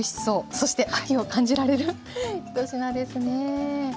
そして秋を感じられる一品ですね。